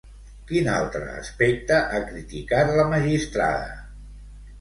Quin altre aspecte ha criticat la magistrada?